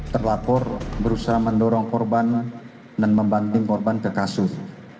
terlapor berusaha mendorong korban dan membanding korban ke kasur